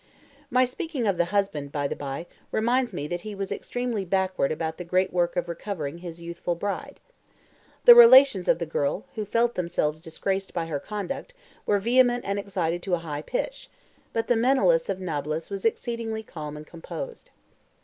My speaking of the husband, by the bye, reminds me that he was extremely backward about the great work of recovering his youthful bride. The relations of the girl, who felt themselves disgraced by her conduct, were vehement and excited to a high pitch, but the Menelaus of Nablus was exceedingly calm and composed.